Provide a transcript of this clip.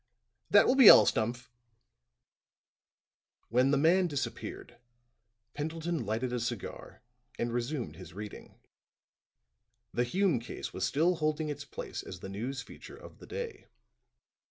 That will be all, Stumph!" When the man disappeared, Pendleton lighted a cigar and resumed his reading. The Hume case was still holding its place as the news feature of the day.